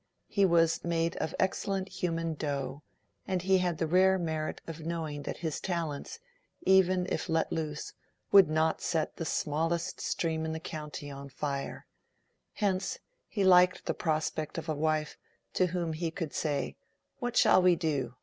He was made of excellent human dough, and had the rare merit of knowing that his talents, even if let loose, would not set the smallest stream in the county on fire: hence he liked the prospect of a wife to whom he could say, "What shall we do?"